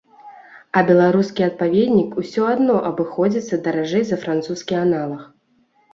А беларускі адпаведнік ўсё адно абыходзіцца даражэй за французскі аналаг.